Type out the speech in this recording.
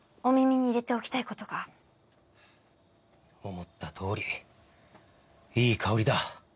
思ったとおりいい香りだ。